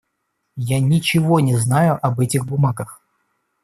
Я ничего не знаю об этих бумагах.